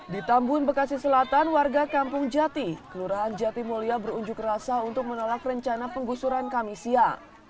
di tambun bekasi selatan warga kampung jati kelurahan jati mulia berunjuk rasa untuk menolak rencana penggusuran kamisia